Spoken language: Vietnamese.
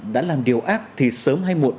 đã làm điều ác thì sớm hay muộn